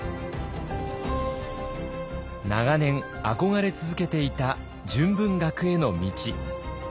長年憧れ続けていた純文学への道。